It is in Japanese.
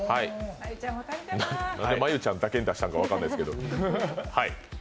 なんで真悠ちゃんだけに出したのか分からないですけど。